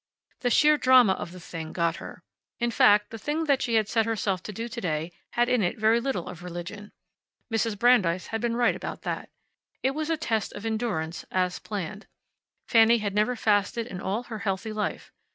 The sheer drama of the thing got her. In fact, the thing she had set herself to do to day had in it very little of religion. Mrs. Brandeis had been right about that. It was a test of endurance, as planned. Fanny had never fasted in all her healthy life.